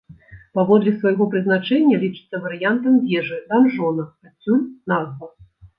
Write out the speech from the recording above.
Паводле свайго прызначэння лічыцца варыянтам вежы-данжона, адсюль назва.